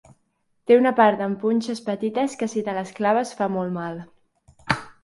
Té una part amb punxes petites que si te les claves fa molt mal.